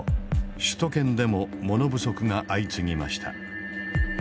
首都圏でもモノ不足が相次ぎました。